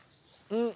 うん。